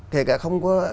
thế cả không có